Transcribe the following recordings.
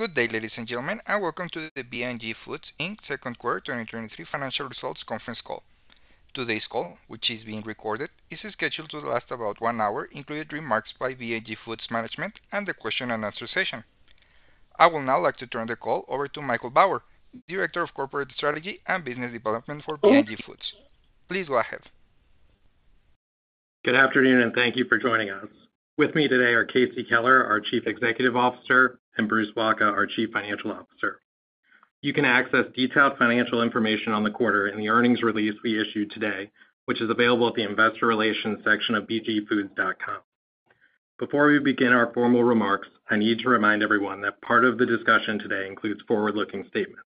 Good day, ladies and gentlemen, and welcome to the B&G Foods, Inc. Q2 2023 Financial Results Conference Call. Today's call, which is being recorded, is scheduled to last about one hour, including remarks by B&G Foods management and the question and answer session. I would now like to turn the call over to Michael Bauer, Director of Corporate Strategy and Business Development for B&G Foods. Please go ahead. Good afternoon, and thank you for joining us. With me today are Casey Keller, our Chief Executive Officer, and Bruce Wacha, our Chief Financial Officer. You can access detailed financial information on the quarter in the earnings release we issued today, which is available at the investor relations section of bgfoods.com. Before we begin our formal remarks, I need to remind everyone that part of the discussion today includes forward-looking statements.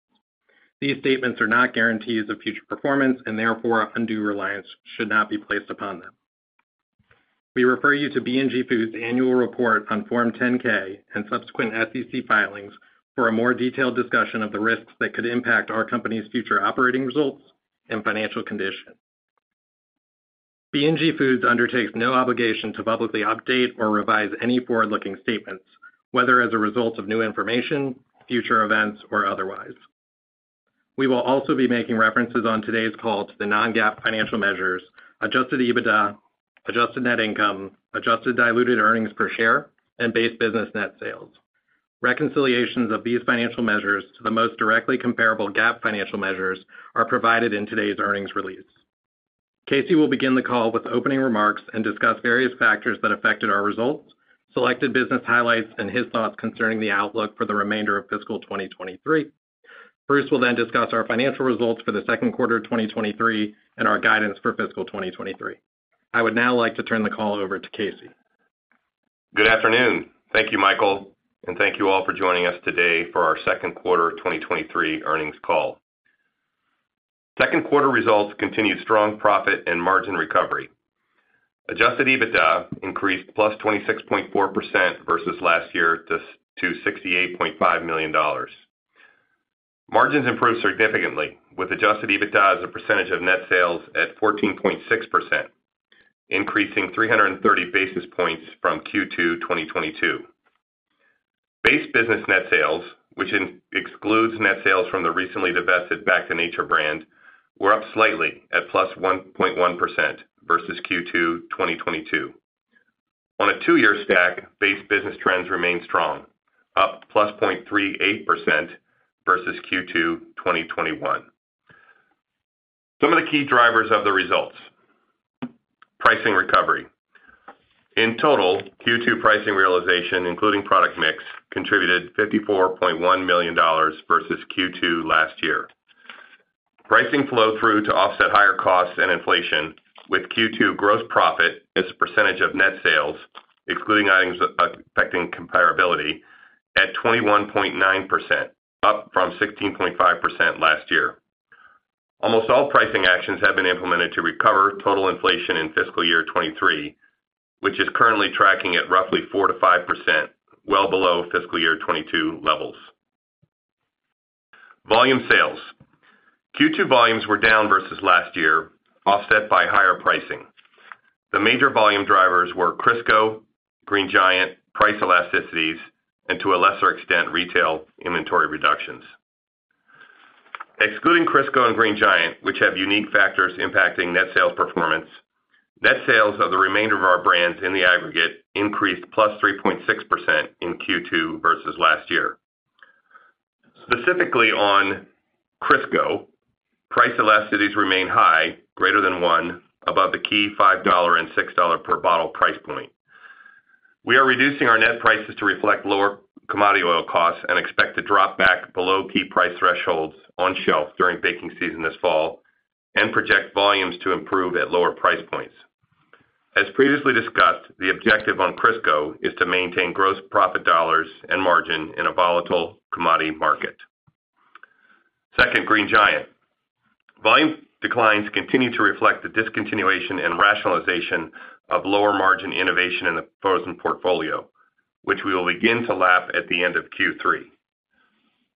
These statements are not guarantees of future performance, and therefore undue reliance should not be placed upon them. We refer you to B&G Foods annual report on Form 10-K and subsequent SEC filings for a more detailed discussion of the risks that could impact our company's future operating results and financial condition. B&G Foods undertakes no obligation to publicly update or revise any forward-looking statements, whether as a result of new information, future events, or otherwise. We will also be making references on today's call to the non-GAAP financial measures, adjusted EBITDA, adjusted net income, adjusted diluted earnings per share, and base business net sales. Reconciliations of these financial measures to the most directly comparable GAAP financial measures are provided in today's earnings release. KC will begin the call with opening remarks and discuss various factors that affected our results, selected business highlights, and his thoughts concerning the outlook for the remainder of fiscal 2023. Bruce will then discuss our financial results for the Q2 2023 and our guidance for fiscal 2023. I would now like to turn the call over to KC. Good afternoon. Thank you, Michael, and thank you all for joining us today for our Q2 2023 earnings call. Q2 results continued strong profit and margin recovery. Adjusted EBITDA increased +26.4% versus last year to $68.5 million. Margins improved significantly, with Adjusted EBITDA as a percentage of net sales at 14.6%, increasing 330 basis points from Q2 2022. Base business net sales, which excludes net sales from the recently divested Back to Nature brand, were up slightly at 1.1%+ versus Q2 2022. On a two-year stack, base business trends remain strong, up 0.38%+ versus Q2 2021. Some of the key drivers of the results. Pricing recovery. In total, Q2 pricing realization, including product mix, contributed $54.1 million versus Q2 last year. Pricing flowed through to offset higher costs and inflation, with Q2 gross profit as a percentage of net sales, excluding items affecting comparability, at 21.9%, up from 16.5% last year. Almost all pricing actions have been implemented to recover total inflation in fiscal year 2023, which is currently tracking at roughly 4% to 5%, well below fiscal year 2022 levels. Volume sales. Q2 volumes were down versus last year, offset by higher pricing. The major volume drivers were Crisco, Green Giant, price elasticities, and to a lesser extent, retail inventory reductions. Excluding Crisco and Green Giant, which have unique factors impacting net sales performance, net sales of the remainder of our brands in the aggregate increased plus 3.6% in Q2 versus last year. Specifically on Crisco, price elasticities remain high, greater than one above the key $5 and $6 per bottle price point. We are reducing our net prices to reflect lower commodity oil costs and expect to drop back below key price thresholds on shelf during baking season this fall and project volumes to improve at lower price points. As previously discussed, the objective on Crisco is to maintain gross profit dollars and margin in a volatile commodity market. Second, Green Giant. Volume declines continue to reflect the discontinuation and rationalization of lower margin innovation in the frozen portfolio, which we will begin to lap at the end of Q3.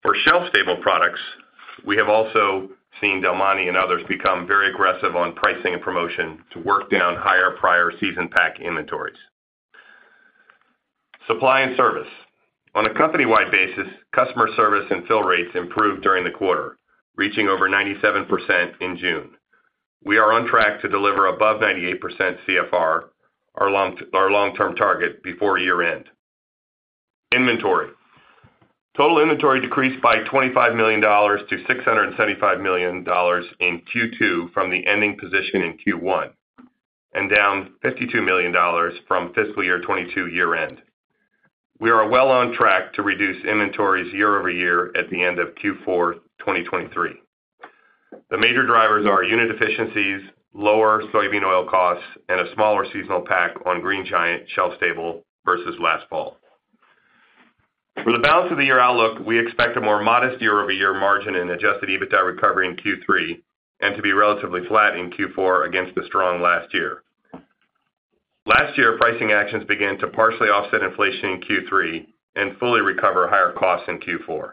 For shelf-stable products, we have also seen Del Monte and others become very aggressive on pricing and promotion to work down higher prior season pack inventories. Supply and service. On a company-wide basis, customer service and fill rates improved during the quarter, reaching over 97% in June. We are on track to deliver above 98% CFR, our long-term target, before year-end. Inventory. Total inventory decreased by $25 to 675 million in Q2 from the ending position in Q1, and down $52 million from fiscal year 2022 year-end. We are well on track to reduce inventories year-over-year at the end of Q4 2023. The major drivers are unit efficiencies, lower soybean oil costs, and a smaller seasonal pack on Green Giant shelf stable versus last fall. For the balance of the year outlook, we expect a more modest year-over-year margin in adjusted EBITDA recovery in Q3 and to be relatively flat in Q4 against the strong last year. Last year, pricing actions began to partially offset inflation in Q3 and fully recover higher costs in Q4.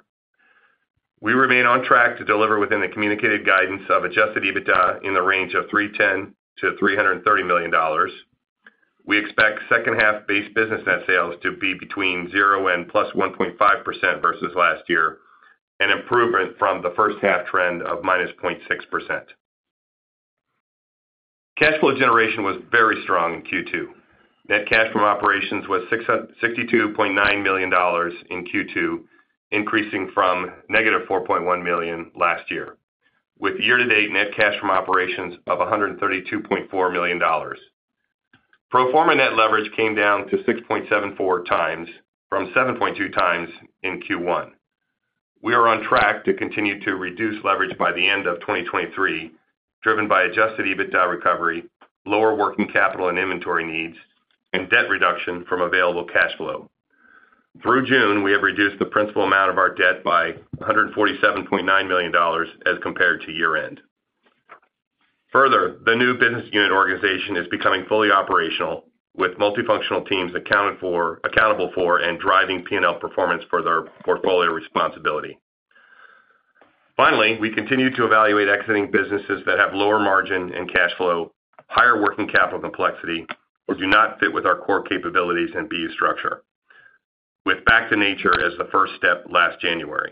We remain on track to deliver within the communicated guidance of adjusted EBITDA in the range of $310 to 330 million. We expect second half base business net sales to be between 0% and 1.5%+ versus last year, an improvement from the first half trend of -0.6%. Cash flow generation was very strong in Q2. Net cash from operations was $662.9 million in Q2, increasing from negative $4.1 million last year, with year-to-date net cash from operations of $132.4 million. Pro forma net leverage came down to 6.74x from 7.2 times in Q1. We are on track to continue to reduce leverage by the end of 2023, driven by adjusted EBITDA recovery, lower working capital and inventory needs, and debt reduction from available cash flow. Through June, we have reduced the principal amount of our debt by $147.9 million as compared to year-end. Further, the new business unit organization is becoming fully operational, with multifunctional teams accountable for and driving P&L performance for their portfolio responsibility. Finally, we continue to evaluate exiting businesses that have lower margin and cash flow, higher working capital complexity, or do not fit with our core capabilities and BU structure, with Back to Nature as the first step last January.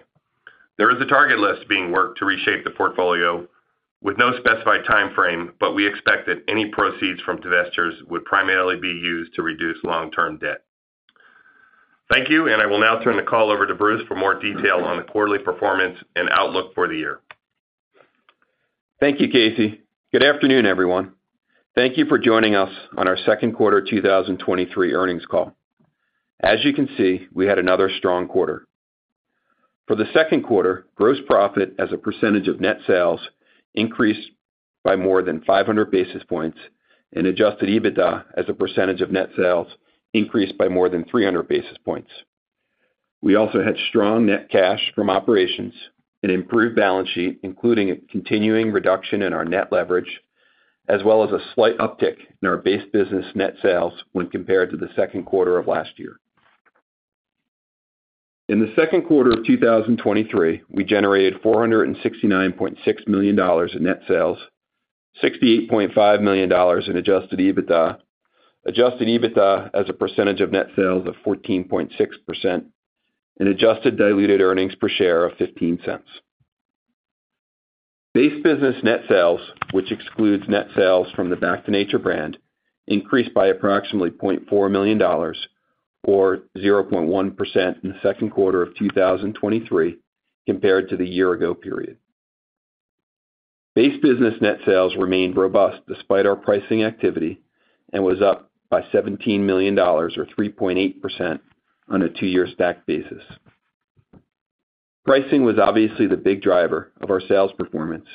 There is a target list being worked to reshape the portfolio with no specified time frame. We expect that any proceeds from divestitures would primarily be used to reduce long-term debt. Thank you. I will now turn the call over to Bruce for more detail on the quarterly performance and outlook for the year. Thank you, KC. Good afternoon, everyone. Thank you for joining us on our Q2 2023 earnings call. As you can see, we had another strong quarter. For the Q2, gross profit as a % of net sales increased by more than 500 basis points. Adjusted EBITDA as a % of net sales increased by more than 300 basis points. We also had strong net cash from operations, an improved balance sheet, including a continuing reduction in our net leverage, as well as a slight uptick in our base business net sales when compared to the Q2 of last year. In the Q2 of 2023, we generated $469.6 million in net sales, $68.5 million in adjusted EBITDA, adjusted EBITDA as a percentage of net sales of 14.6%, and adjusted diluted earnings per share of $0.15. Base business net sales, which excludes net sales from the Back to Nature brand, increased by approximately $0.4 million, or 0.1% in the Q2 of 2023, compared to the year-ago period. Base business net sales remained robust despite our pricing activity, was up by $17 million, or 3.8% on a two-year stack basis. Pricing was obviously the big driver of our sales performance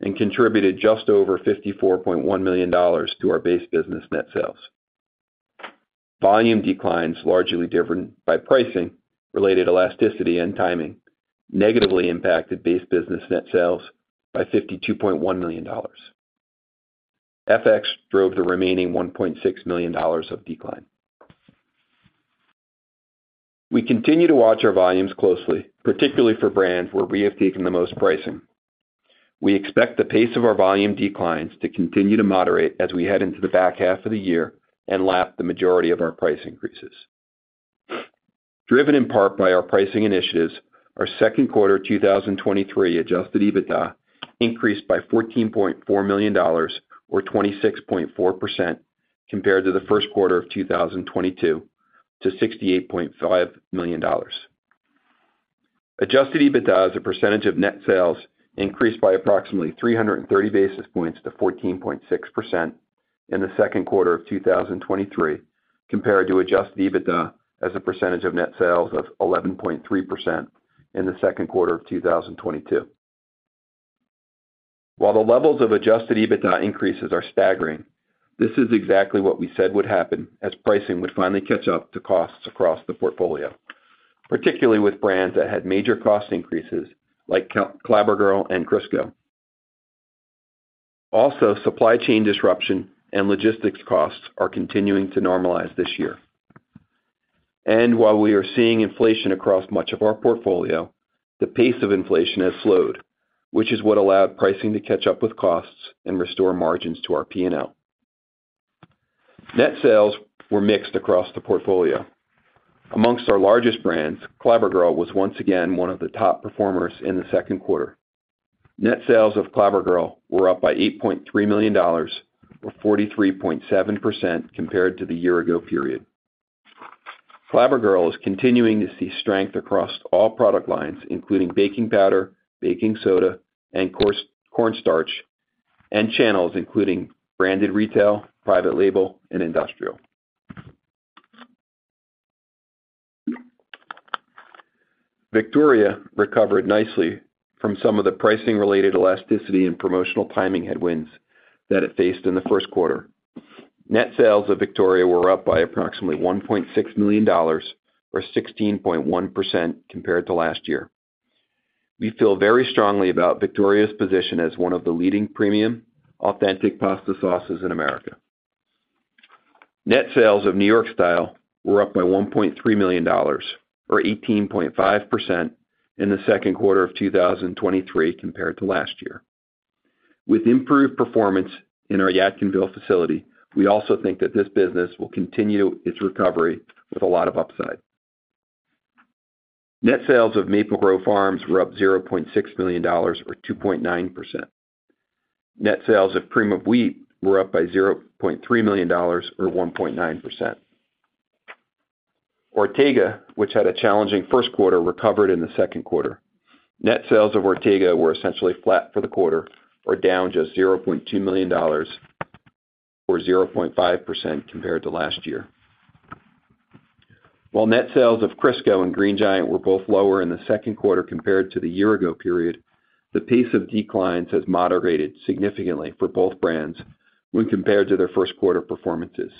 and contributed just over $54.1 million to our base business net sales. Volume declines, largely different by pricing-related elasticity and timing, negatively impacted base business net sales by $52.1 million. FX drove the remaining $1.6 million of decline. We continue to watch our volumes closely, particularly for brands where we have taken the most pricing. We expect the pace of our volume declines to continue to moderate as we head into the back half of the year and lap the majority of our price increases. Driven in part by our pricing initiatives, our Q2 2023 adjusted EBITDA increased by $14.4 million, or 26.4% compared to the Q1 of 2022, to $68.5 million. Adjusted EBITDA as a percentage of net sales increased by approximately 330 basis points to 14.6% in the Q2 of 2023, compared to Adjusted EBITDA as a percentage of net sales of 11.3% in the Q2 of 2022. While the levels of Adjusted EBITDA increases are staggering, this is exactly what we said would happen as pricing would finally catch up to costs across the portfolio, particularly with brands that had major cost increases like Clabber Girl and Crisco. Supply chain disruption and logistics costs are continuing to normalize this year. While we are seeing inflation across much of our portfolio, the pace of inflation has slowed, which is what allowed pricing to catch up with costs and restore margins to our P&L. Net sales were mixed across the portfolio. Amongst our largest brands, Clabber Girl was once again one of the top performers in the Q2. Net sales of Clabber Girl were up by $8.3 million, or 43.7% compared to the year ago period. Clabber Girl is continuing to see strength across all product lines, including baking powder, baking soda, and cornstarch, and channels, including branded retail, private label, and industrial. Victoria recovered nicely from some of the pricing-related elasticity and promotional timing headwinds that it faced in the Q1. Net sales of Victoria were up by approximately $1.6 million, or 16.1% compared to last year. We feel very strongly about Victoria's position as one of the leading premium, authentic pasta sauces in America.... Net sales of New York Style were up by $1.3 million, or 18.5% in the Q2 of 2023 compared to last year. With improved performance in our Yadkinville facility, we also think that this business will continue its recovery with a lot of upside. Net sales of Maple Grove Farms were up $0.6 million, or 2.9%. Net sales of Cream of Wheat were up by $0.3 million, or 1.9%. Ortega, which had a challenging Q1, recovered in the Q2. Net sales of Ortega were essentially flat for the quarter, or down just $0.2 million, or 0.5% compared to last year. While net sales of Crisco and Green Giant were both lower in the Q2 compared to the year ago period, the pace of declines has moderated significantly for both brands when compared to their Q1 performances.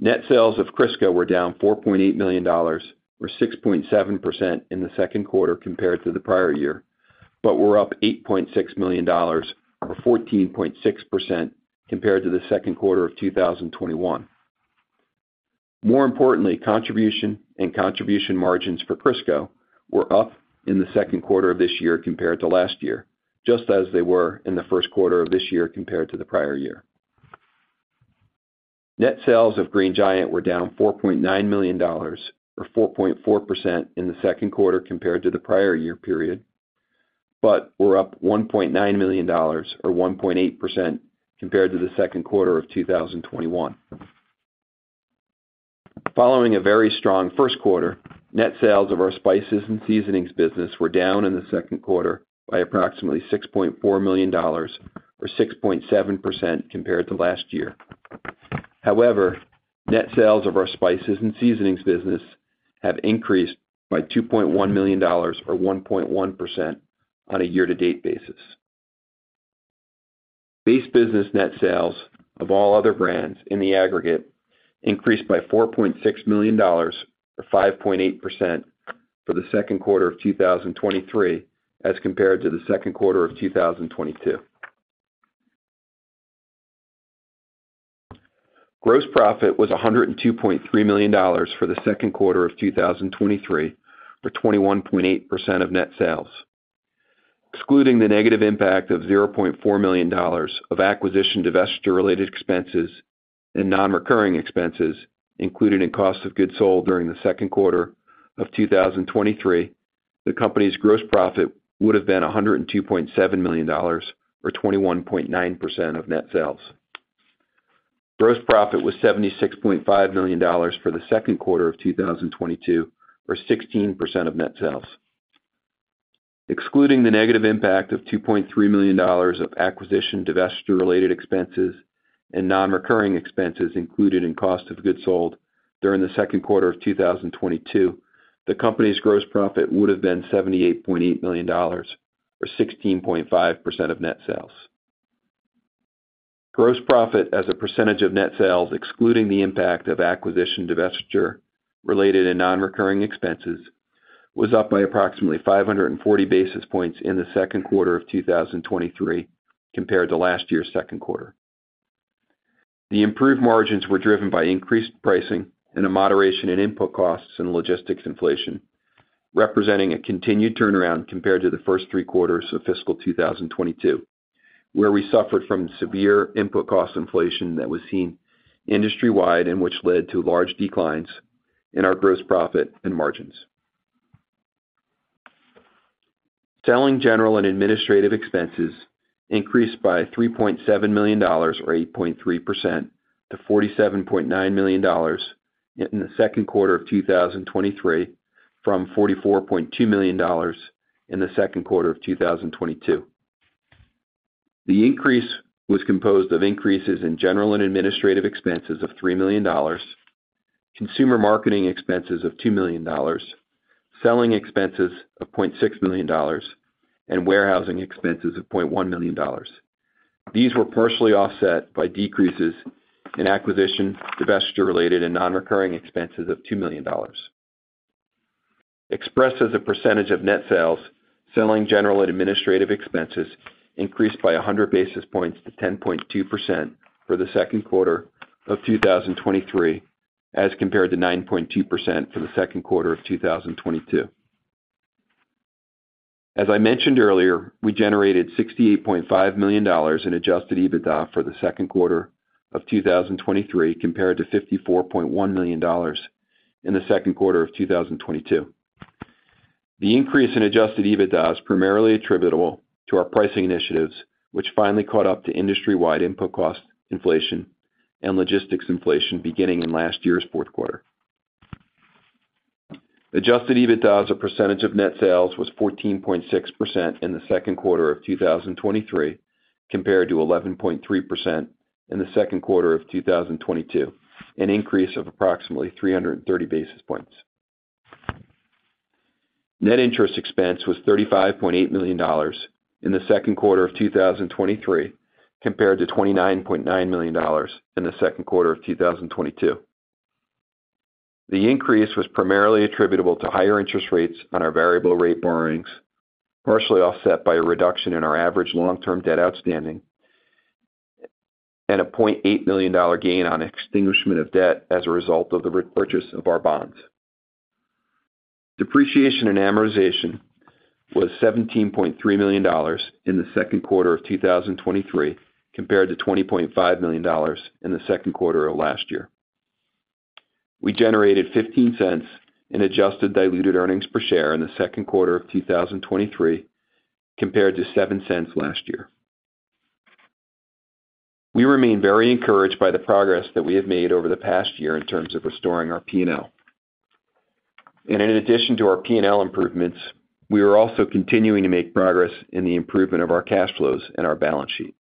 Net sales of Crisco were down $4.8 million, or 6.7% in the Q2 compared to the prior year, but were up $8.6 million, or 14.6% compared to the Q2 of 2021. More importantly, contribution and contribution margins for Crisco were up in the Q2 of this year compared to last year, just as they were in the Q1 of this year compared to the prior year. Net sales of Green Giant were down $4.9 million, or 4.4% in the Q2 compared to the prior year period, but were up $1.9 million, or 1.8% compared to the Q2 of 2021. Following a very strong Q1, net sales of our spices and seasonings business were down in the Q2 by approximately $6.4 million, or 6.7% compared to last year. However, net sales of our spices and seasonings business have increased by $2.1 million, or 1.1% on a year-to-date basis. Base business net sales of all other brands in the aggregate increased by $4.6 million, or 5.8% for the Q2 2023, as compared to the Q2 2022. Gross profit was $102.3 million for the Q2 2023, for 21.8% of net sales. Excluding the negative impact of $0.4 million of acquisition, divestiture-related expenses and non-recurring expenses included in cost of goods sold during the Q2 2023, the company's gross profit would have been $102.7 million, or 21.9% of net sales. Gross profit was $76.5 million for the Q2 2022, or 16% of net sales. Excluding the negative impact of $2.3 million of acquisition, divestiture-related expenses, and non-recurring expenses included in cost of goods sold during the Q2 of 2022, the company's gross profit would have been $78.8 million, or 16.5% of net sales. Gross profit as a percentage of net sales, excluding the impact of acquisition, divestiture-related and non-recurring expenses, was up by approximately 540 basis points in the Q2 of 2023 compared to last year's Q2. The improved margins were driven by increased pricing and a moderation in input costs and logistics inflation, representing a continued turnaround compared to the first three quarters of fiscal 2022, where we suffered from severe input cost inflation that was seen industry-wide and which led to large declines in our gross profit and margins. Selling general and administrative expenses increased by $3.7 million, or 8.3% to $47.9 million in the Q2 of 2023, from $44.2 million in the Q2 of 2022. The increase was composed of increases in general and administrative expenses of $3 million, consumer marketing expenses of $2 million, selling expenses of $0.6 million, and warehousing expenses of $0.1 million. These were partially offset by decreases in acquisition, divestiture-related, and non-recurring expenses of $2 million. Expressed as a percentage of net sales, selling general and administrative expenses increased by 100 basis points to 10.2% for the Q2 2023, as compared to 9.2% for the Q2 2022. As I mentioned earlier, we generated $68.5 million in adjusted EBITDA for the Q2 2023, compared to $54.1 million in the Q2 2022. The increase in adjusted EBITDA is primarily attributable to our pricing initiatives, which finally caught up to industry-wide input cost, inflation, and logistics inflation beginning in last year's Q4. Adjusted EBITDA as a percentage of net sales was 14.6% in the Q2 of 2023, compared to 11.3% in the Q2 of 2022, an increase of approximately 330 basis points. Net interest expense was $35.8 million in the Q2 of 2023, compared to $29.9 million in the Q2 of 2022. The increase was primarily attributable to higher interest rates on our variable rate borrowings, partially offset by a reduction in our average long-term debt outstanding and a $0.8 million gain on extinguishment of debt as a result of the repurchase of our bonds. Depreciation and amortization was $17.3 million in the Q2 of 2023, compared to $20.5 million in the Q2 of last year. We generated $0.15 in adjusted diluted earnings per share in the Q2 of 2023, compared to $0.07 last year. We remain very encouraged by the progress that we have made over the past year in terms of restoring our P&L. In addition to our P&L improvements, we are also continuing to make progress in the improvement of our cash flows and our balance sheet.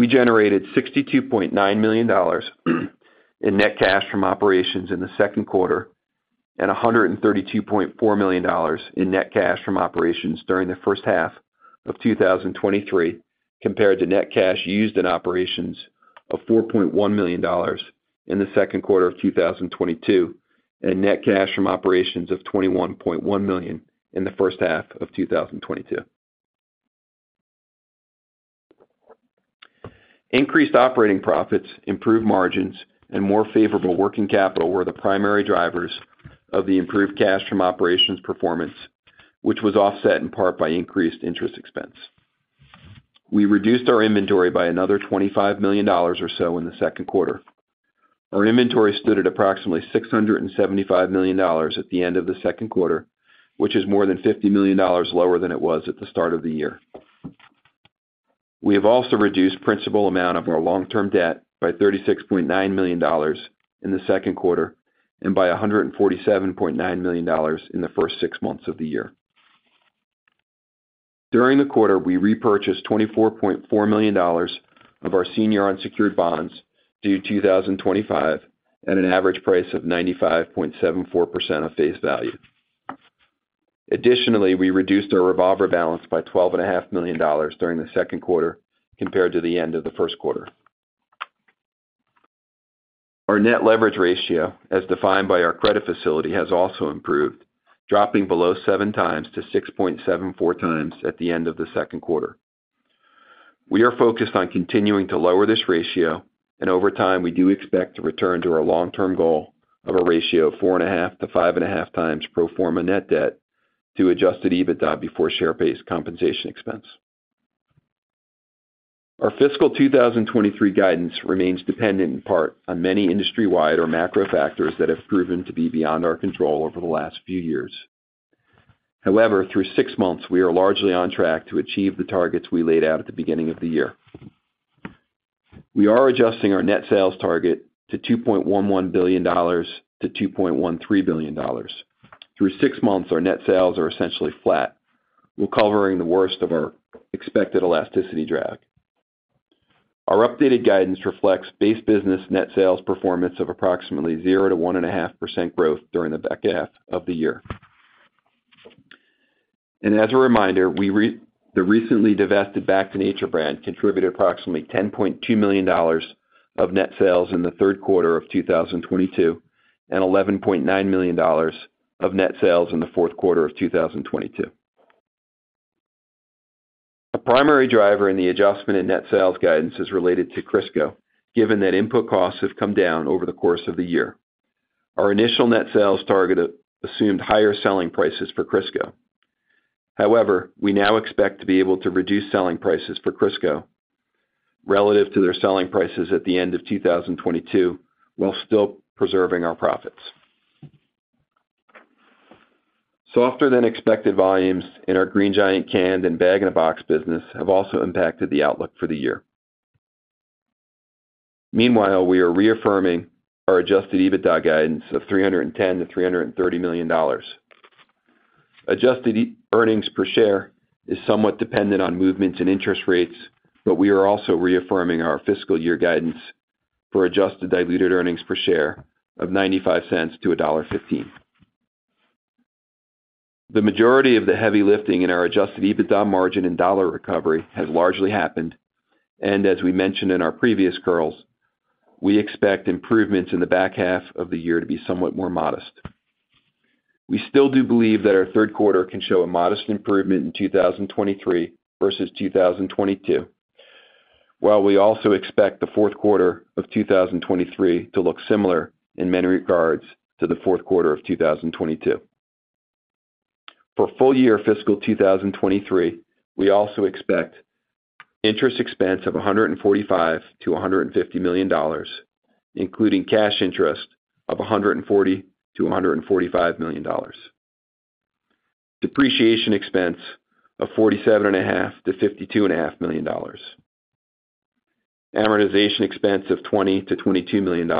We generated $62.9 million in net cash from operations in the Q2 and $132.4 million in net cash from operations during the first half of 2023, compared to net cash used in operations of $4.1 million in the Q2 of 2022, and net cash from operations of $21.1 million in the first half of 2022. Increased operating profits, improved margins, and more favorable working capital were the primary drivers of the improved cash from operations performance, which was offset in part by increased interest expense. We reduced our inventory by another $25 million or so in the Q2. Our inventory stood at approximately $675 million at the end of the Q2, which is more than $50 million lower than it was at the start of the year. We have also reduced principal amount of our long-term debt by $36.9 million in the Q2 and by $147.9 million in the first six months of the year. During the quarter, we repurchased $24.4 million of our senior unsecured bonds due 2025, at an average price of 95.74% of face value. Additionally, we reduced our revolver balance by $12.5 million during the Q2 compared to the end of the Q1. Our net leverage ratio, as defined by our credit facility, has also improved, dropping below 7x to 6.74x at the end of the Q2. We are focused on continuing to lower this ratio, and over time, we do expect to return to our long-term goal of of 4.5 to 5.5x pro forma net debt to adjusted EBITDA before share-based compensation expense. Our fiscal 2023 guidance remains dependent in part on many industry-wide or macro factors that have proven to be beyond our control over the last few years. However, Through six months, we are largely on track to achieve the targets we laid out at the beginning of the year. We are adjusting our net sales target to $2.11 to 2.13 billion. Through six months, our net sales are essentially flat, recovering the worst of our expected elasticity drag. Our updated guidance reflects base business net sales performance of approximately 0% to 1.5% growth during the back half of the year. As a reminder, the recently divested Back to Nature brand contributed approximately $10.2 million of net sales in the Q3 of 2022, and $11.9 million of net sales in the Q4 of 2022. A primary driver in the adjustment in net sales guidance is related to Crisco, given that input costs have come down over the course of the year. Our initial net sales target, assumed higher selling prices for Crisco. However, we now expect to be able to reduce selling prices for Crisco relative to their selling prices at the end of 2022, while still preserving our profits. Softer than expected volumes in our Green Giant canned and bag and box business have also impacted the outlook for the year. Meanwhile, we are reaffirming our adjusted EBITDA guidance of $310 to 330 million. Adjusted earnings per share is somewhat dependent on movements in interest rates, but we are also reaffirming our fiscal year guidance for adjusted diluted earnings per share of $0.95 to 1.15. The majority of the heavy lifting in our adjusted EBITDA margin and dollar recovery has largely happened, and as we mentioned in our previous calls, we expect improvements in the back half of the year to be somewhat more modest. We still do believe that our Q3 can show a modest improvement in 2023 versus 2022, while we also expect the Q4 of 2023 to look similar in many regards to the Q4 of 2022. For full year fiscal 2023, we also expect interest expense of $145 to 150 million, including cash interest of $140 to 145 million. Depreciation expense of $47.5 to 52.5 million. Amortization expense of $20 to 22 million.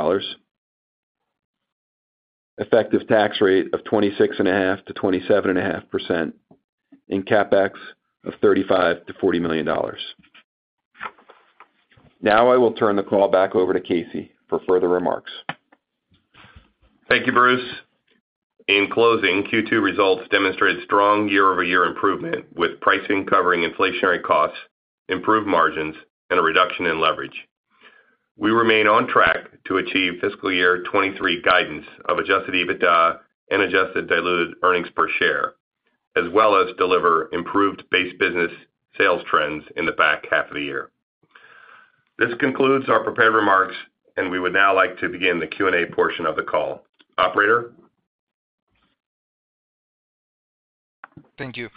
Effective tax rate of 26.5% to 27.5%, and CapEx of $35 to 40 million. I will turn the call back over to KC Keller for further remarks. Thank you, Bruce. In closing, Q2 results demonstrated strong year-over-year improvement, with pricing covering inflationary costs, improved margins, and a reduction in leverage. We remain on track to achieve fiscal year 2023 guidance of adjusted EBITDA and adjusted diluted earnings per share, as well as deliver improved base business sales trends in the back half of the year. This concludes our prepared remarks, and we would now like to begin the Q&A portion of the call. Operator? Thank you.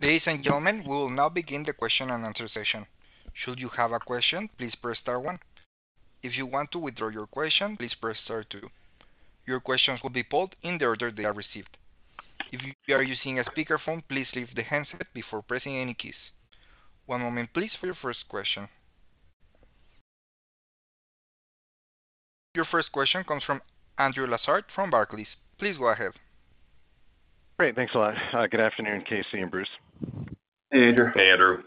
Ladies and gentlemen, we will now begin the question-and-answer session. Should you have a question, please press star one. If you want to withdraw your question, please press star two. Your questions will be pulled in the order they are received. If you are using a speakerphone, please leave the handset before pressing any keys. One moment, please, for your first question. Your first question comes from Andrew Lazar from Barclays. Please go ahead. Great, thanks a lot. Good afternoon, KC and Bruce. Hey, Andrew. Hey, Andrew.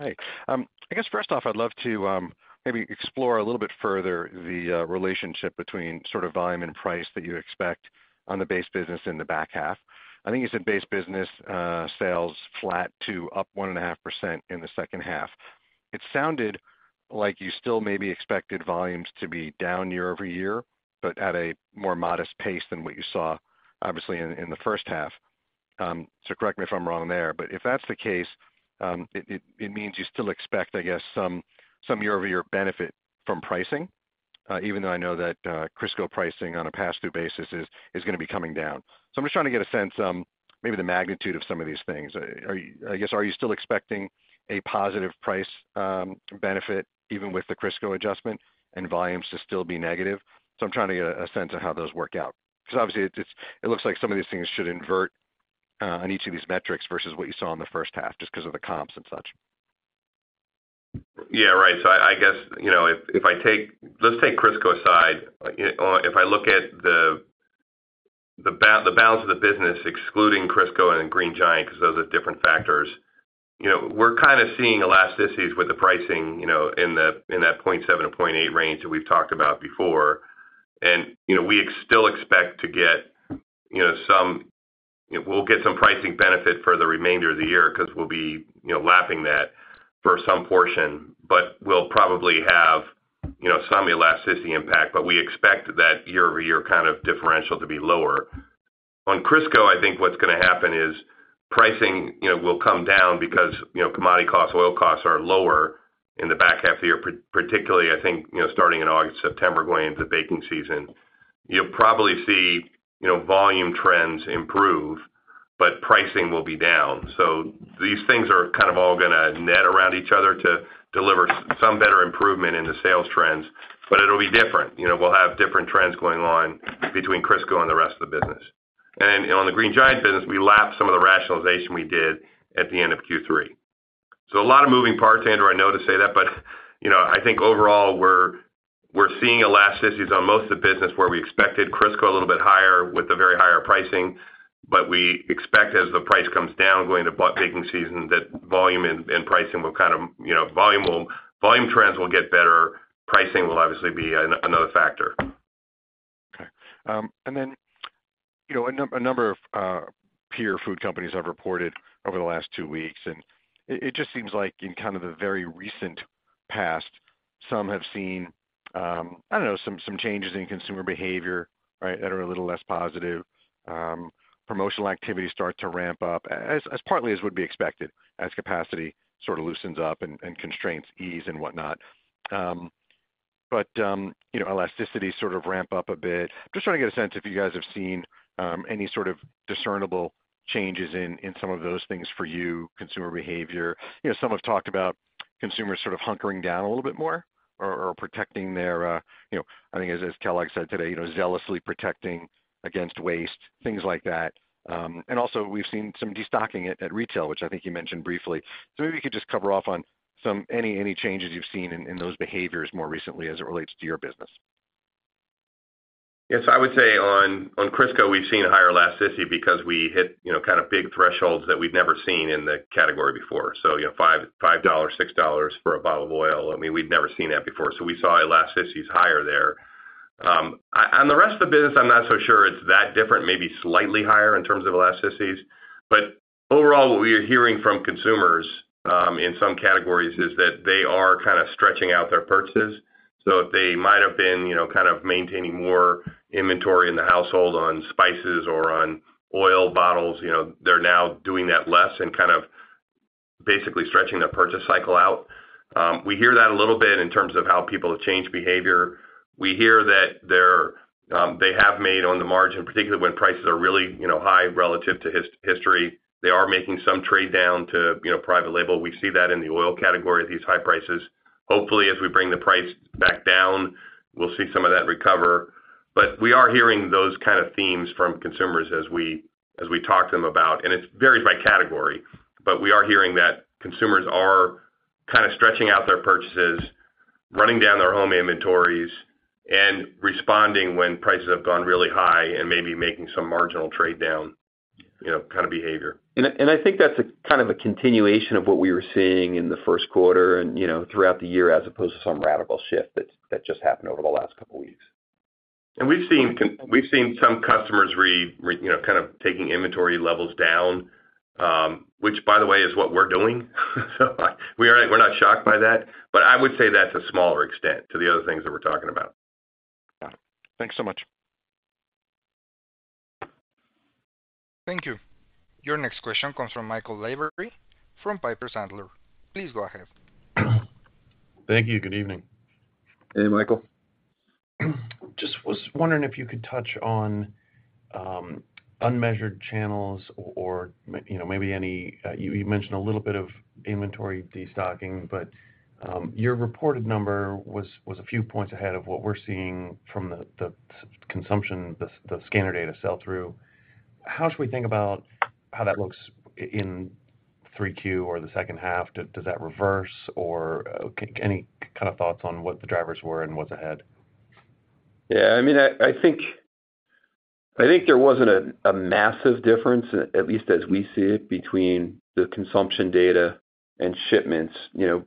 Hi. I guess first off, I'd love to maybe explore a little bit further the relationship between sort of volume and price that you expect on the base business in the back half. I think you said base business sales flat to up 1.5% in the second half. It sounded like you still maybe expected volumes to be down year-over-year, but at a more modest pace than what you saw, obviously, in the first half. Correct me if I'm wrong there, but if that's the case, it means you still expect, I guess, some year-over-year benefit from pricing, even though I know that Crisco pricing on a pass-through basis is gonna be coming down. I'm just trying to get a sense, maybe the magnitude of some of these things. Are, I guess, are you still expecting a positive price, benefit, even with the Crisco adjustment and volumes to still be negative? I'm trying to get a, a sense of how those work out, 'cause obviously it's, it looks like some of these things should invert, on each of these metrics versus what you saw in the first half, just 'cause of the comps and such. Yeah, right. I, I guess, you know, if, if I take... Let's take Crisco aside. If I look at the balance of the business, excluding Crisco and Green Giant, 'cause those are different factors, you know, we're kind of seeing elasticities with the pricing, you know, in that, in that 0.7 to 0.8 range that we've talked about before. You know, we still expect to get, you know, We'll get some pricing benefit for the remainder of the year 'cause we'll be, you know, lapping that for some portion, but we'll probably have, you know, some elasticity impact. We expect that year-over-year kind of differential to be lower. On Crisco, I think what's gonna happen is, pricing, you know, will come down because, you know, commodity costs, oil costs are lower in the back half of the year, particularly, I think, you know, starting in August, September, going into baking season. You'll probably see, you know, volume trends improve, but pricing will be down. These things are kind of all gonna net around each other to deliver some better improvement in the sales trends, but it'll be different. You know, we'll have different trends going on between Crisco and the rest of the business. On the Green Giant business, we lapsed some of the rationalization we did at the end of Q3. A lot of moving parts, Andrew, I know to say that, but, you know, I think overall, we're, we're seeing elasticities on most of the business where we expected Crisco a little bit higher with the very higher pricing, but we expect, as the price comes down, going to baking season, that volume and, and pricing will kind of, you know, volume trends will get better. Pricing will obviously be another factor. Okay. You know, a number of peer food companies have reported over the last two weeks, and it, it just seems like in kind of the very recent past, some have seen, I don't know, some changes in consumer behavior, right? That are a little less positive. Promotional activity start to ramp up as, as partly as would be expected, as capacity sort of loosens up and, and constraints ease and whatnot. You know, elasticity sort of ramp up a bit. Just trying to get a sense if you guys have seen any sort of discernible changes in, in some of those things for you, consumer behavior. You know, some have talked about consumers sort of hunkering down a little bit more or, or protecting their, you know, I think as, as Kellogg said today, you know, zealously protecting against waste, things like that. Also we've seen some destocking at, at retail, which I think you mentioned briefly. Maybe you could just cover off on some, any, any changes you've seen in, in those behaviors more recently as it relates to your business? Yes, I would say on, on Crisco, we've seen a higher elasticity because we hit, you know, kind of big thresholds that we've never seen in the category before. You know, $5, $6 for a bottle of oil. I mean, we've never seen that before, so we saw elasticities higher there. On, on the rest of the business, I'm not so sure it's that different, maybe slightly higher in terms of elasticities. Overall, what we are hearing from consumers, in some categories, is that they are kind of stretching out their purchases. If they might have been, you know, kind of maintaining more inventory in the household on spices or on oil bottles, you know, they're now doing that less and kind of basically stretching the purchase cycle out. We hear that a little bit in terms of how people have changed behavior. We hear that they're, they have made on the margin, particularly when prices are really, you know, high relative to history. They are making some trade down to, you know, private label. We see that in the oil category at these high prices. Hopefully, as we bring the price back down, we'll see some of that recover. We are hearing those kind of themes from consumers as we, as we talk to them about, and it varies by category. We are hearing that consumers are kind of stretching out their purchases, running down their home inventories, and responding when prices have gone really high and maybe making some marginal trade down, you know, kind of behavior. I, and I think that's a kind of a continuation of what we were seeing in the Q1 and, you know, throughout the year, as opposed to some radical shift that, that just happened over the last couple weeks. We've seen we've seen some customers you know, kind of taking inventory levels down, which by the way, is what we're doing. We are, we're not shocked by that, but I would say that's a smaller extent to the other things that we're talking about. Got it. Thanks so much. Thank you. Your next question comes from Michael Lavery, from Piper Sandler. Please go ahead. Thank you. Good evening. Hey, Michael. Just was wondering if you could touch on, unmeasured channels or, you know, maybe any. You, you mentioned a little bit of inventory destocking, but your reported number was a few points ahead of what we're seeing from the consumption, the scanner data sell-through. How should we think about how that looks in 3Q or the second half? Does that reverse or any kind of thoughts on what the drivers were and what's ahead? Yeah, I mean, I, I think, I think there wasn't a, a massive difference, at least as we see it, between the consumption data and shipments. You know,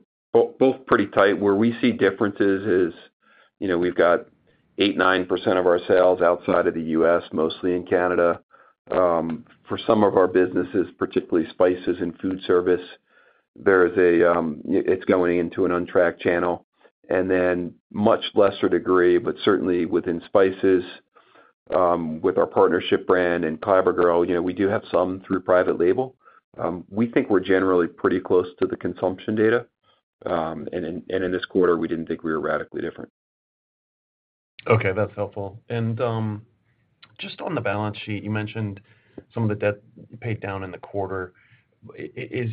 both pretty tight. Where we see differences is, you know, we've got 8%, 9% of our sales outside of the U.S., mostly in Canada. For some of our businesses, particularly spices and food service, there is a, it's going into an untracked channel, and then much lesser degree, but certainly within spices, with our partnership brand and Fiber Girl, you know, we do have some through private label. We think we're generally pretty close to the consumption data, and in, and in this quarter, we didn't think we were radically different. Okay, that's helpful. Just on the balance sheet, you mentioned some of the debt paid down in the quarter. Is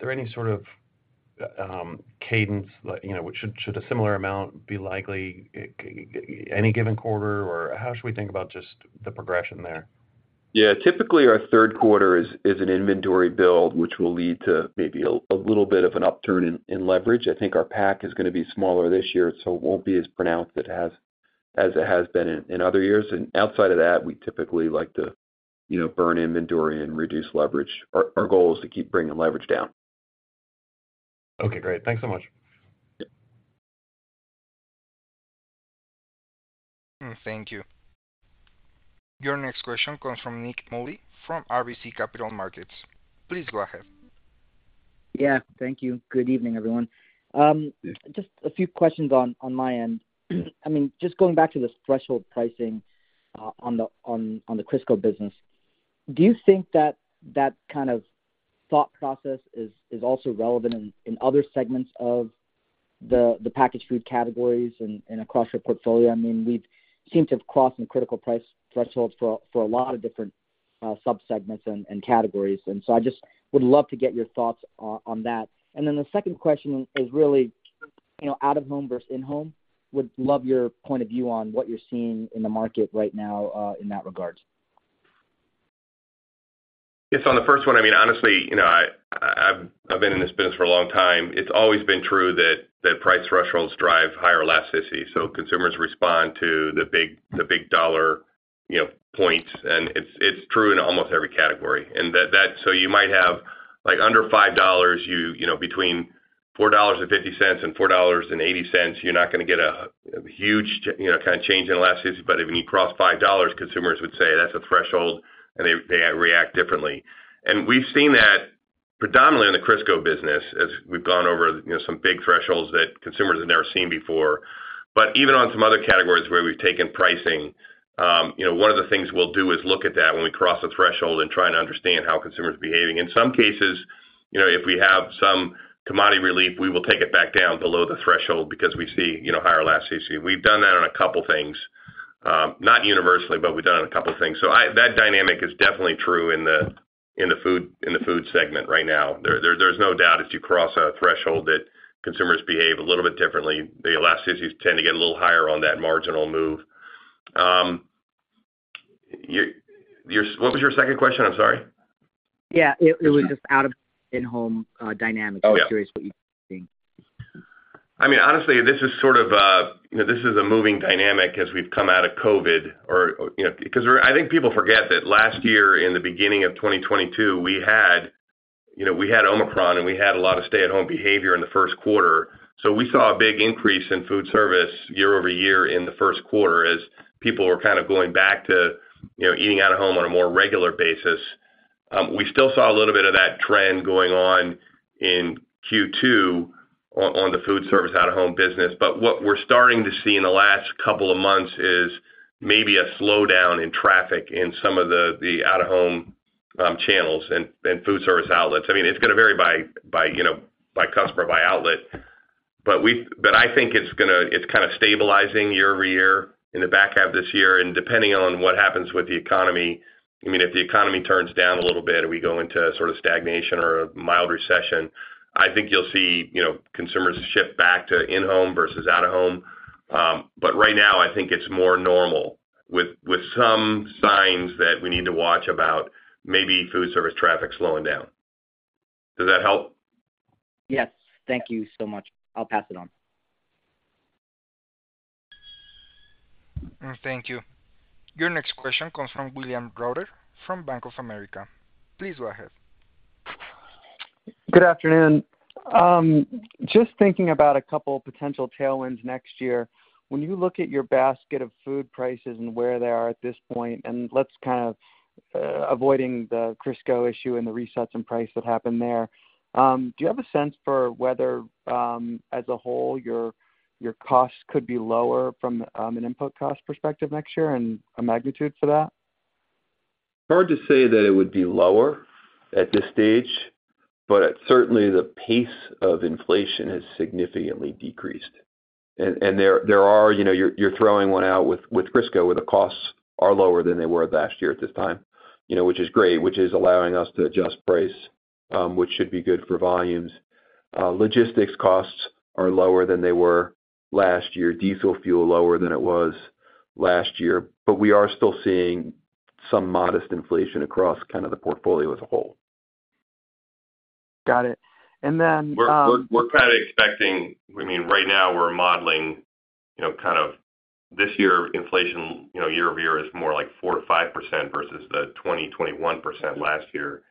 there any sort of cadence, like, you know, should, should a similar amount be likely any given quarter, or how should we think about just the progression there? Yeah, typically our Q3 is an inventory build, which will lead to maybe a little bit of an upturn in leverage. I think our PAC is gonna be smaller this year, so it won't be as pronounced as it has been in other years. Outside of that, we typically like to, you know, burn inventory and reduce leverage. Our goal is to keep bringing leverage down. Okay, great. Thanks so much. Thank you. Your next question comes from Nick Modi, from RBC Capital Markets. Please go ahead. Yeah, thank you. Good evening, everyone. just a few questions on, on my end. I mean, just going back to this threshold pricing, on the, on, on the Crisco business, do you think that that kind of thought process is, is also relevant in, in other segments of the, the packaged food categories and, and across your portfolio? I mean, we've seemed to have crossed some critical price thresholds for, for a lot of different, subsegments and, and categories, and so I just would love to get your thoughts on, on that. Then the second question is really, you know, out-of-home versus in-home. Would love your point of view on what you're seeing in the market right now, in that regard. Yes, on the first one, I mean, honestly, you know, I've been in this business for a long time. It's always been true that price thresholds drive higher elasticity. Consumers respond to the big dollar, you know, points, and it's true in almost every category. You might have, like, under $5, you know, between $4.50 and $4.80, you're not gonna get a huge, you know, kind of change in elasticity, but if you cross $5, consumers would say, "That's a threshold," and they react differently. We've seen that predominantly in the Crisco business, as we've gone over, you know, some big thresholds that consumers have never seen before. Even on some other categories where we've taken pricing, you know, one of the things we'll do is look at that when we cross a threshold and try and understand how consumers are behaving. In some cases, you know, if we have some commodity relief, we will take it back down below the threshold because we see, you know, higher elasticity. We've done that on a couple things, not universally, but we've done it on a couple of things. That dynamic is definitely true in the, in the food, in the food segment right now. There, there's no doubt if you cross a threshold, that consumers behave a little bit differently. The elasticities tend to get a little higher on that marginal move. What was your second question? I'm sorry. Yeah. It, it was just out of, in-home dynamics I was curious what you think. I mean, honestly, this is sort of a, you know, this is a moving dynamic as we've come out of COVID or, you know, because I think people forget that last year, in the beginning of 2022, we had, you know, we had Omicron, and we had a lot of stay-at-home behavior in the Q1. We saw a big increase in food service year-over-year in the Q1, as people were kind of going back to, you know, eating out-of-home on a more regular basis. We still saw a little bit of that trend going on in Q2, on the food service out-of-home business. What we're starting to see in the last couple of months is maybe a slowdown in traffic in some of the out-of-home channels and food service outlets. I mean, it's gonna vary by, by, you know, by customer, by outlet. but I think it's gonna it's kind of stabilizing year-over-year in the back half of this year, and depending on what happens with the economy, I mean, if the economy turns down a little bit and we go into sort of stagnation or a mild recession, I think you'll see, you know, consumers shift back to in-home versus out-of-home. Right now, I think it's more normal, with, with some signs that we need to watch about maybe food service traffic slowing down. Does that help? Yes. Thank you so much. I'll pass it on. Thank you. Your next question comes from William Browder from Bank of America. Please go ahead. Good afternoon. Just thinking about a couple potential tailwinds next year. When you look at your basket of food prices and where they are at this point, let's kind of, avoiding the Crisco issue and the resets in price that happened there, do you have a sense for whether, as a whole, your, your costs could be lower from an input cost perspective next year, and a magnitude to that? Hard to say that it would be lower at this stage, but certainly the pace of inflation has significantly decreased. There, there are you know, you're, you're throwing one out with, with Crisco, where the costs are lower than they were last year at this time, you know, which is great, which is allowing us to adjust price, which should be good for volumes. Logistics costs are lower than they were last year. Diesel fuel, lower than it was last year, but we are still seeing some modest inflation across kind of the portfolio as a whole. Got it. Then. We're kind of expecting I mean, right now we're modeling, you know, kind of this year, inflation, you know, year-over-year is more like 4% to 5% versus the 20% to 21% last year.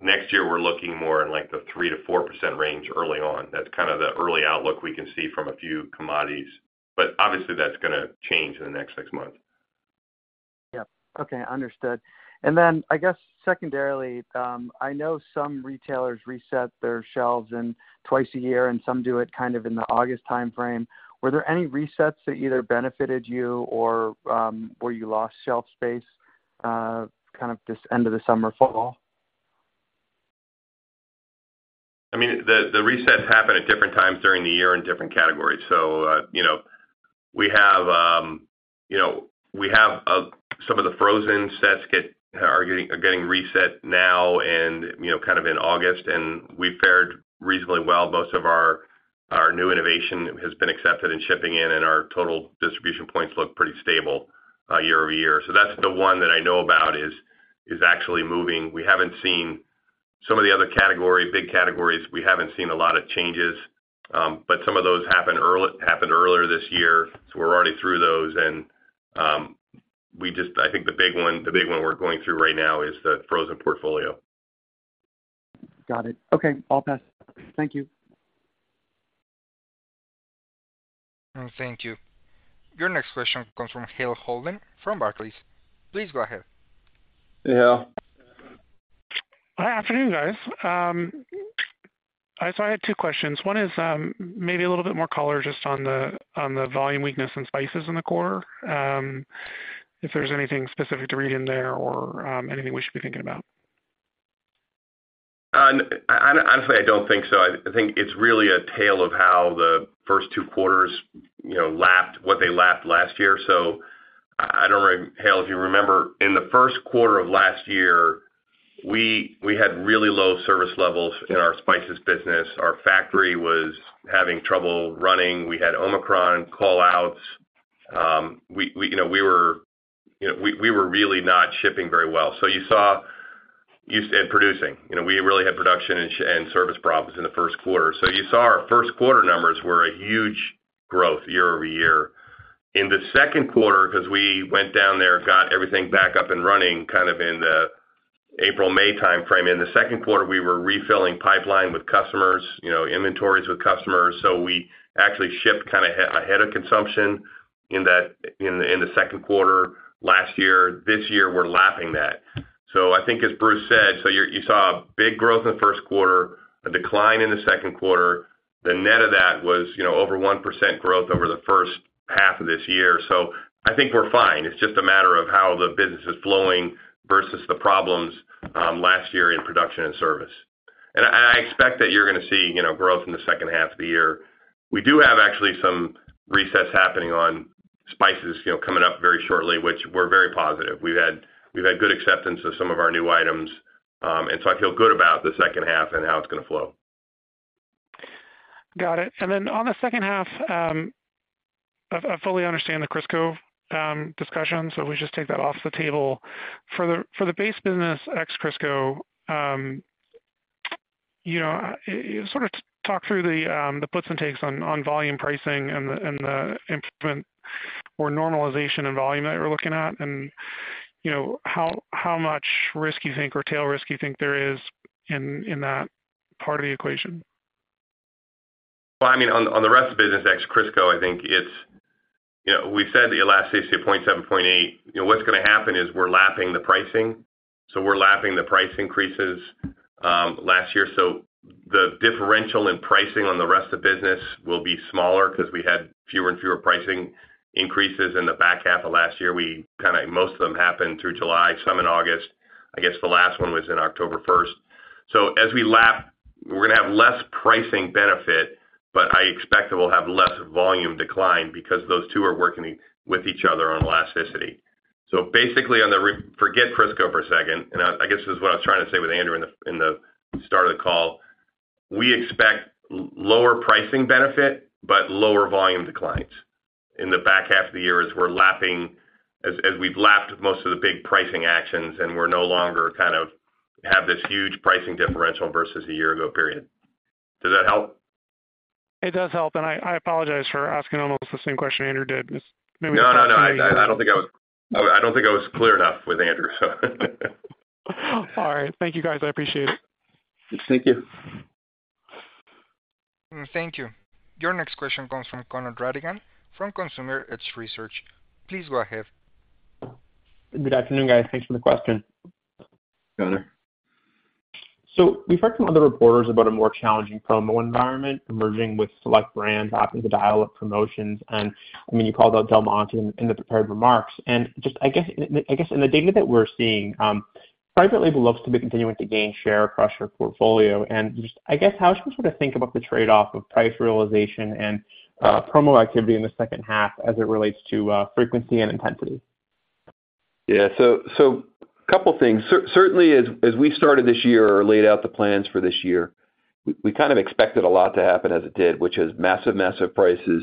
Next year, we're looking more in like the 3% to 4% range early on. That's kind of the early outlook we can see from a few commodities, but obviously that's gonna change in the next six months. Okay, understood. Then I guess secondarily, I know some retailers reset their shelves and twice a year, and some do it kind of in the August timeframe. Were there any resets that either benefited you or, where you lost shelf space, kind of this end of the summer, fall? The, the resets happen at different times during the year in different categories. You know, we have, you know, we have, some of the frozen sets are getting, are getting reset now and, you know, kind of in August, and we fared reasonably well. Most of our, our new innovation has been accepted and shipping in, and our total distribution points look pretty stable, year-over-year. That's the one that I know about is, is actually moving. We haven't seen some of the other categories, big categories, we haven't seen a lot of changes. Some of those happened early, happened earlier this year, so we're already through those. I think the big one, the big one we're going through right now is the frozen portfolio. Got it. Okay, I'll pass. Thank you. Thank you. Your next question comes from Hale Holden from Barclays. Please go ahead. Hey, Hale. Hi, afternoon, guys. I had two questions. One is, maybe a little bit more color just on the volume weakness in spices in the core. If there's anything specific to read in there or, anything we should be thinking about? Honestly, I don't think so. I think it's really a tale of how the first two quarters, you know, lapped what they lapped last year. I don't Hale, if you remember, in the 1st quarter of last year, we had really low service levels in our spices business. Our factory was having trouble running. We had Omicron call outs. We, you know, we were, you know, we were really not shipping very well. And producing. You know, we really had production and service problems in the 1st quarter. You saw our 1st quarter numbers were a huge growth year-over-year. In the 2nd quarter, 'cause we went down there, got everything back up and running, kind of in the April, May timeframe. In the Q2, we were refilling pipeline with customers, you know, inventories with customers. We actually shipped kind of ahead of consumption in that, in the, in the Q2 last year. This year, we're lapping that. I think as Bruce said, so you're, you saw a big growth in the Q1, a decline in the Q2. The net of that was, you know, over 1% growth over the first half of this year. I think we're fine. It's just a matter of how the business is flowing versus the problems last year in production and service. I, I expect that you're gonna see, you know, growth in the second half of the year. We do have actually some resets happening on spices, you know, coming up very shortly, which we're very positive. We've had good acceptance of some of our new items, and so I feel good about the second half and how it's gonna flow. Got it. Then on the second half, I fully understand the Crisco discussion, so we just take that off the table. For the, for the base business, ex Crisco, you know, sort of talk through the puts and takes on, on volume pricing and the, and the implement or normalization in volume that you're looking at, and you know, how, how much risk you think or tail risk you think there is in, in that part of the equation? Well, I mean, on, on the rest of the business, ex Crisco, I think it's, you know, we said the elasticity of 0.7, 0.8. You know, what's gonna happen is we're lapping the pricing, so we're lapping the price increases last year. The differential in pricing on the rest of business will be smaller because we had fewer and fewer pricing increases in the back half of last year. We, kind of most of them happened through July, some in August. I guess the last one was in October 1st. As we lap, we're gonna have less pricing benefit, but I expect that we'll have less volume decline because those two are working with each other on elasticity. Basically, on the forget Crisco for a second, and I guess this is what I was trying to say with Andrew in the, in the start of the call. We expect lower pricing benefit, but lower volume declines in the back half of the year as we're lapping, as, as we've lapped most of the big pricing actions, and we're no longer kind of have this huge pricing differential versus a year ago period. Does that help? It does help, and I, I apologize for asking almost the same question Andrew did. Just maybe-. No, no, no, I, I don't think I was, I don't think I was clear enough with Andrew, so. All right. Thank you, guys. I appreciate it. Thank you. Thank you. Your next question comes from Connor Dugan from Consumer Edge Research. Please go ahead. Good afternoon, guys. Thanks for the question. Connor. We've heard from other reporters about a more challenging promo environment, emerging with select brands after the dial of promotions, and, I mean, you called out Del Monte in, in the prepared remarks. Just I guess, I guess in the data that we're seeing, private label looks to be continuing to gain share across your portfolio, and just, I guess, how should we sort of think about the trade-off of price realization and promo activity in the second half as it relates to frequency and intensity? Yeah. Couple things. Certainly, as, as we started this year or laid out the plans for this year, we, we kind of expected a lot to happen as it did, which is massive, massive prices,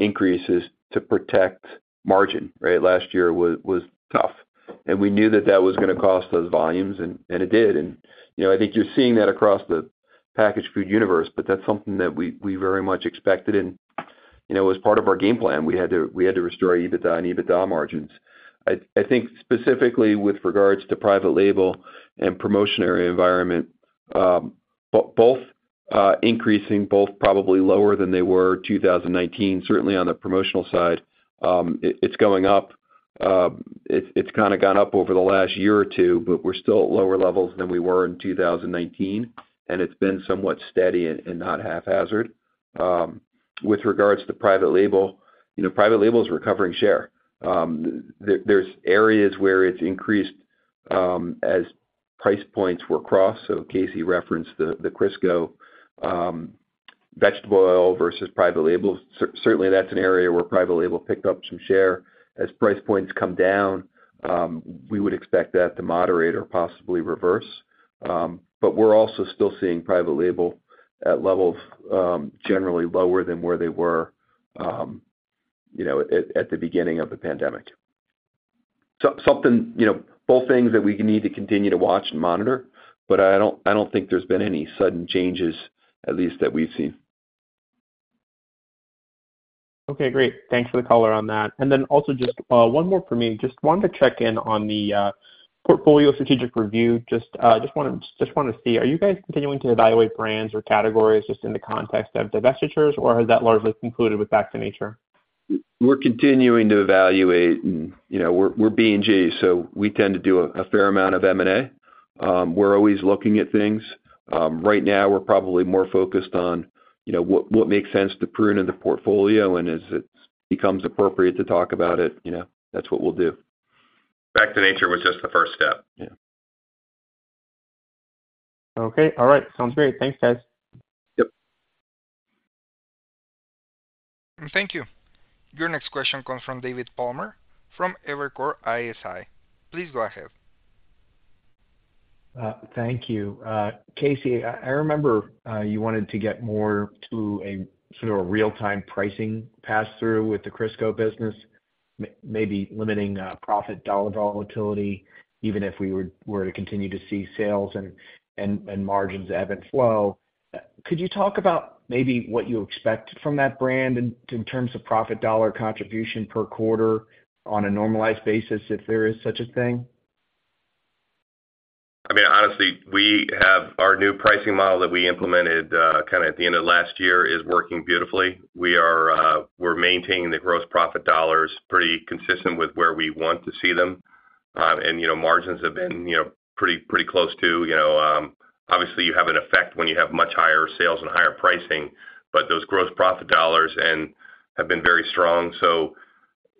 increases to protect margin, right? Last year was, was tough, and we knew that that was gonna cost those volumes, and it did. You know, I think you're seeing that across the packaged food universe, but that's something that we, we very much expected and, you know, as part of our game plan, we had to, we had to restore EBITDA and EBITDA margins. I think specifically with regards to private label and promotionary environment, both, increasing, both probably lower than they were 2019. Certainly on the promotional side, it's going up. It's, it's kinda gone up over the last one or two, but we're still at lower levels than we were in 2019, and not haphazard. With regards to private label, you know, private label is recovering share. There's areas where it's increased as price points were crossed. Casey referenced the Crisco vegetable oil versus private label. Certainly, that's an area where private label picked up some share. As price points come down, we would expect that to moderate or possibly reverse. But we're also still seeing private label at levels generally lower than where they were, you know, at the beginning of the pandemic. something, you know, both things that we need to continue to watch and monitor, but I don't, I don't think there's been any sudden changes, at least, that we've seen. Okay, great. Thanks for the color on that. Also just, one more for me. Just wanted to check in on the portfolio strategic review. Just wanna see, are you guys continuing to evaluate brands or categories just in the context of divestitures, or has that largely concluded with Back to Nature? We're continuing to evaluate. You know, we're, we're B&G, so we tend to do a, a fair amount of M&A. We're always looking at things. Right now, we're probably more focused on, you know, what, what makes sense to prune in the portfolio, and as it becomes appropriate to talk about it, you know, that's what we'll do. Back to Nature was just the first step. Yeah. Okay, all right. Sounds great. Thanks, guys. Yep. Thank you. Your next question comes from David Palmer, from Evercore ISI. Please go ahead. Thank you. KC Keller, I, I remember, you wanted to get more to a sort of a real-time pricing pass-through with the Crisco business, maybe limiting, profit dollar volatility, even if we were, were to continue to see sales and, and, and margins ebb and flow. Could you talk about maybe what you expect from that brand in, in terms of profit dollar contribution per quarter on a normalized basis, if there is such a thing? I mean, honestly, we have our new pricing model that we implemented, kinda at the end of last year, is working beautifully. We are, we're maintaining the gross profit dollars pretty consistent with where we want to see them. You know, margins have been, you know, pretty, pretty close to, you know, obviously, you have an effect when you have much higher sales and higher pricing, but those gross profit dollars and have been very strong.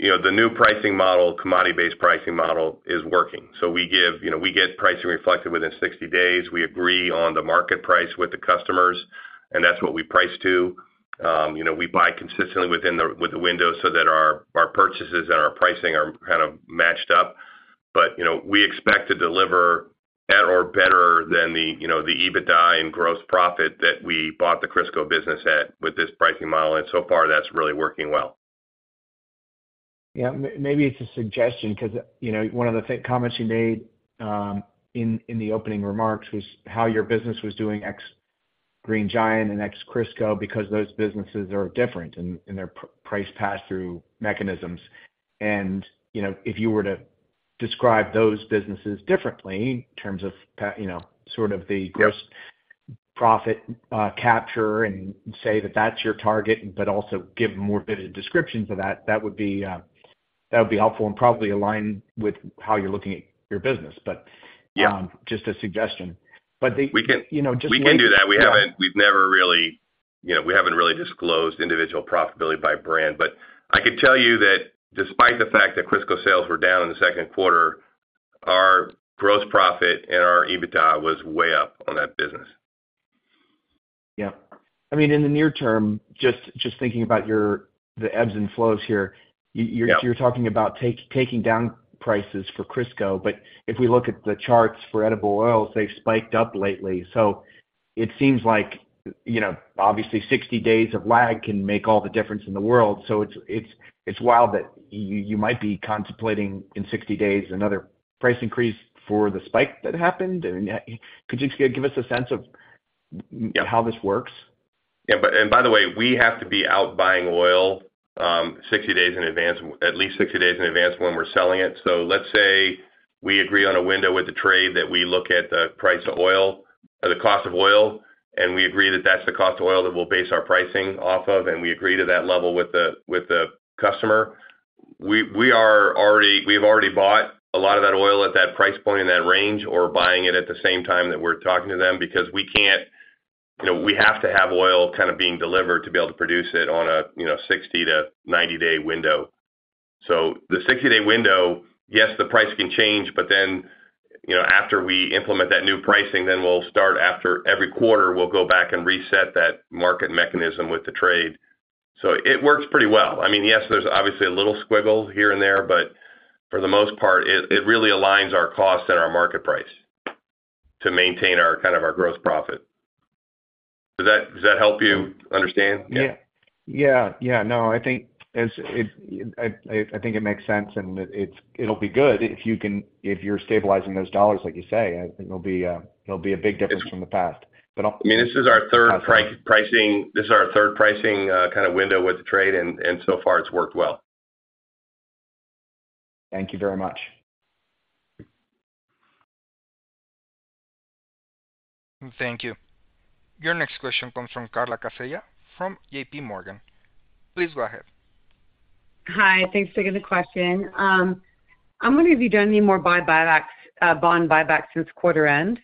You know, the new pricing model, commodity-based pricing model, is working. You know, we get pricing reflected within 60 days. We agree on the market price with the customers, and that's what we price to. You know, we buy consistently within the, with the window so that our, our purchases and our pricing are kind of matched up. You know, we expect to deliver at or better than the, you know, the EBITDA and gross profit that we bought the Crisco business at with this pricing model, and so far, that's really working well. Yeah. maybe it's a suggestion because, you know, one of the comments you made, in, in the opening remarks was how your business was doing ex-Green Giant and ex-Crisco because those businesses are different in, in their price pass-through mechanisms. you know, if you were to describe those businesses differently in terms of you know. Yep gross profit, capture and say that that's your target, but also give more vivid description to that, that would be, that would be helpful and probably align with how you're looking at your business. Yeah... just a suggestion. We can- You know. We can do that. Yeah. You know, we haven't really disclosed individual profitability by brand. I could tell you that despite the fact that Crisco sales were down in the Q2, our gross profit and our EBITDA was way up on that business. Yeah. I mean, in the near term, just thinking about the ebbs and flows here... Yeah ... you're, you're talking about taking down prices for Crisco. If we look at the charts for edible oils, they've spiked up lately. It seems like, you know, obviously, 60 days of lag can make all the difference in the world. It's, it's, it's wild that you might be contemplating, in 60 days, another price increase for the spike that happened. Could you just give us a sense of- Yeah How this works? Yeah. By the way, we have to be out buying oil 60 days in advance, at least 60 days in advance when we're selling it. Let's say we agree on a window with the trade, that we look at the price of oil or the cost of oil, and we agree that that's the cost of oil that we'll base our pricing off of, and we agree to that level with the, with the customer. We, we are already, we've already bought a lot of that oil at that price point in that range, or buying it at the same time that we're talking to them, because we can't, you know, we have to have oil kind of being delivered to be able to produce it on a, you know, 60 to 90-day window. The 60-day window, yes, the price can change, but then, you know, after we implement that new pricing, then we'll start after every quarter, we'll go back and reset that market mechanism with the trade. It works pretty well. I mean, yes, there's obviously a little squiggle here and there, but for the most part, it, it really aligns our cost and our market price to maintain our kind of our gross profit. Does that, does that help you understand? Yeah. Yeah, yeah. No, I think it's, I, I think it makes sense and it, it's, it'll be good if you can, if you're stabilizing those dollars, like you say, I think it'll be, it'll be a big difference from the past, but. I mean, this is our third price, pricing, this is our third pricing, kind of window with the trade, and so far it's worked well. Thank you very much. Thank you. Your next question comes from Carla Casella from JP Morgan. Please go ahead. Hi, thanks for taking the question. I'm wondering, have you done any more buybacks, bond buybacks since quarter end?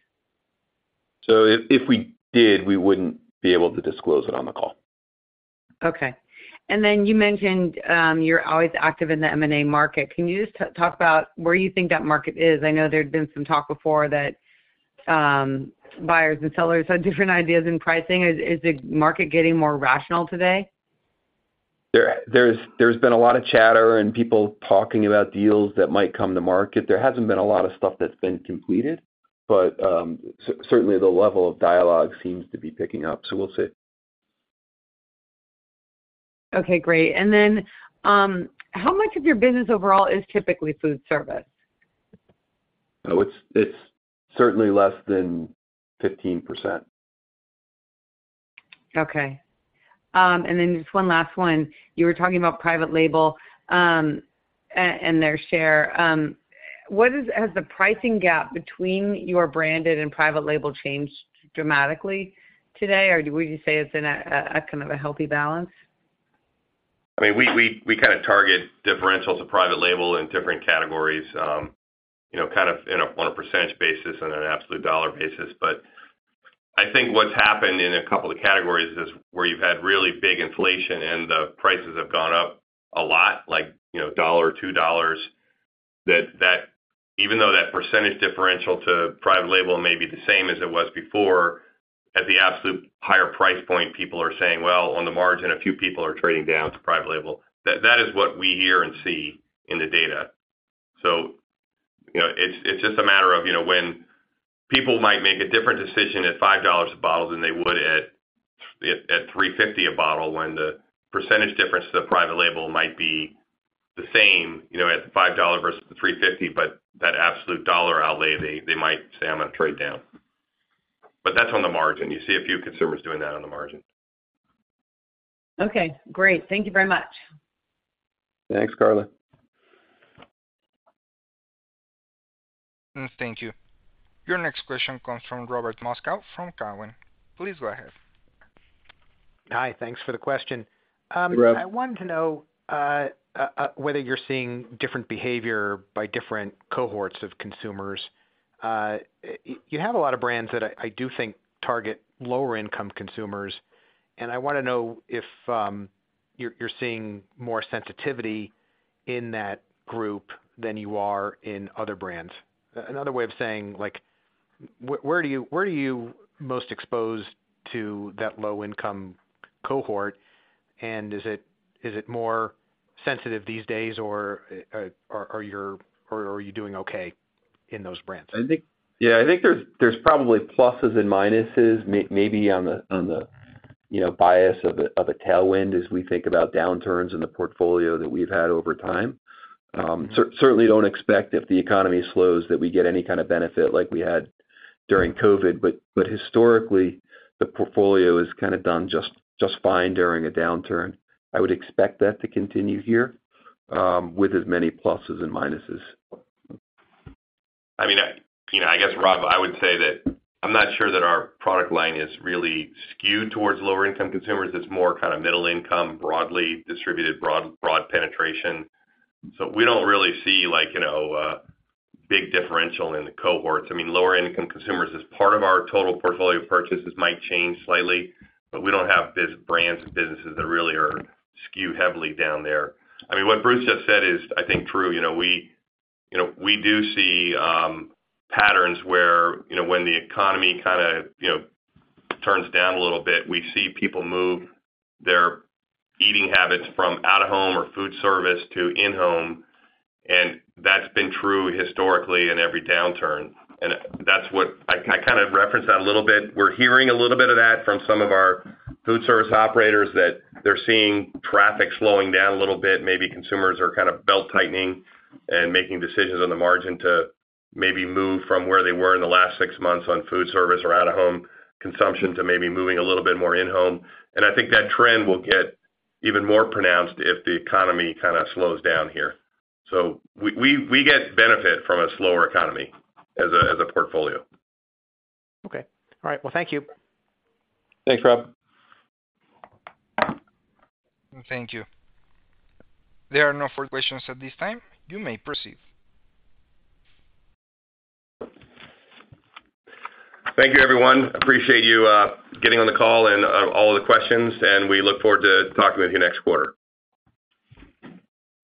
If we did, we wouldn't be able to disclose it on the call. Okay. Then you mentioned, you're always active in the M&A market. Can you just talk about where you think that market is? I know there'd been some talk before that, buyers and sellers have different ideas in pricing. Is the market getting more rational today? There's been a lot of chatter and people talking about deals that might come to market. There hasn't been a lot of stuff that's been completed. Certainly, the level of dialogue seems to be picking up. We'll see. Okay, great. Then, how much of your business overall is typically food service? It's, it's certainly less than 15%. Okay. Then just one last one. You were talking about private label and their share. Has the pricing gap between your branded and private label changed dramatically today, or would you say it's in a kind of a healthy balance? I mean, we, we, we kind of target differentials of private label in different categories, you know, kind of in a, on a % basis and an absolute dollar basis. I think what's happened in a couple of categories is where you've had really big inflation and the prices have gone up a lot, like, you know, $1 or $2, that, that even though that % differential to private label may be the same as it was before, at the absolute higher price point, people are saying, well, on the margin, a few people are trading down to private label. That, that is what we hear and see in the data. You know, it's, it's just a matter of, you know, when people might make a different decision at $5 a bottle than they would at, at, at $3.50 a bottle, when the percentage difference to the private label might be the same, you know, at the $5 versus the $3.50, but that absolute dollar outlay, they, they might say, I'm gonna trade down. That's on the margin. You see a few consumers doing that on the margin. Okay, great. Thank you very much. Thanks, Carla. Thank you. Your next question comes from Robert Moskow from Cowen. Please go ahead. Hi, thanks for the question. Rob. I wanted to know whether you're seeing different behavior by different cohorts of consumers. You have a lot of brands that I, I do think target lower-income consumers, and I wanna know if you're seeing more sensitivity in that group than you are in other brands. Another way of saying, like, where do you, where are you most exposed to that low-income cohort, and is it more sensitive these days or are you doing okay in those brands? Yeah, I think there's, there's probably pluses and minuses on the, on the, you know, bias of a, of a tailwind as we think about downturns in the portfolio that we've had over time. Certainly don't expect if the economy slows, that we get any kind of benefit like we had during COVID, but historically, the portfolio has kind of done just, just fine during a downturn. I would expect that to continue here, with as many pluses and minuses. I mean, you know, I guess, Rob, I would say that I'm not sure that our product line is really skewed towards lower-income consumers. It's more kind of middle income, broadly distributed, broad, broad penetration. We don't really see like, you know, a big differential in the cohorts. I mean, lower-income consumers as part of our total portfolio purchases might change slightly, but we don't have these brands and businesses that really are skewed heavily down there. I mean, what Bruce just said is, I think, true. You know, we, you know, we do see patterns where, you know, when the economy kind of, you know, turns down a little bit, we see people move their eating habits from out-of-home or food service to in-home, and that's been true historically in every downturn. That's what-- I, I kind of referenced that a little bit. We're hearing a little bit of that from some of our food service operators, that they're seeing traffic slowing down a little bit. Maybe consumers are kind of belt-tightening and making decisions on the margin to maybe move from where they were in the last six months on food service or out-of-home consumption to maybe moving a little bit more in-home. I think that trend will get even more pronounced if the economy kind of slows down here. We get benefit from a slower economy as a, as a portfolio. Okay. All right. Well, thank you. Thanks, Rob. Thank you. There are no further questions at this time. You may proceed. Thank you, everyone. Appreciate you getting on the call and all of the questions, and we look forward to talking with you next quarter.